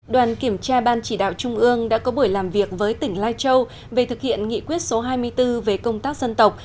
đoàn kiểm tra ban chỉ đạo trung ương đã có buổi làm việc với tỉnh lai châu về thực hiện nghị quyết số hai mươi bốn về công tác dân tộc